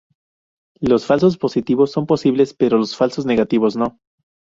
Los falsos positivos son posibles pero los falsos negativos no.